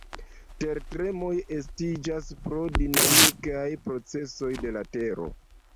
Tertremoj estiĝas pro dinamikaj procesoj de la tero.